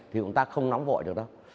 thì chúng ta không nóng vội được đâu